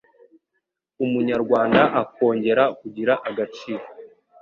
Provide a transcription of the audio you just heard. Umunyarwanda akongera kugira agaciro